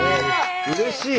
うれしい！